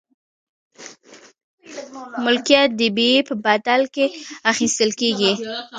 ملکیت د بیې په بدل کې اخیستل کیږي.